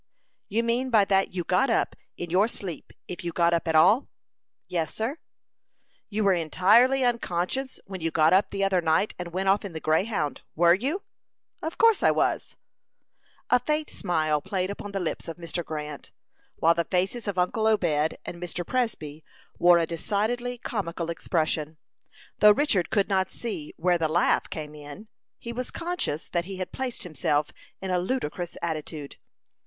"You mean by that you got up in your sleep if you got up at all?" "Yes, sir." "You were entirely unconscious when you got up the other night and went off in the Greyhound were you?" "Of course I was." A faint smile played upon the lips of Mr. Grant, while the faces of uncle Obed and Mr. Presby wore a decidedly comical expression. Though Richard could not see "where the laugh came in," he was conscious that he had placed himself in a ludicrous attitude.